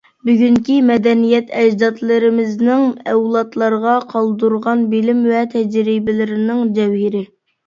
بۈگۈنكى مەدەنىيەت ئەجدادلىرىمىزنىڭ ئەۋلادلارغا قالدۇرغان بىلىم ۋە تەجرىبىلىرىنىڭ جەۋھىرى.